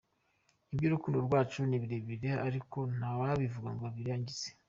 Iby’urukundo rwacu ni birebire ariko ntawabivuga ngo abirangize.